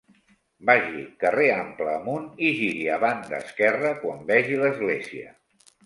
Vagi carrer Ample amunt i giri a banda esquerra quan vegi l'església.